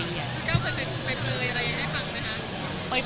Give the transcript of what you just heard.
พี่ก้าวเคยเป็นเปลยอะไรให้ฟังนะคะ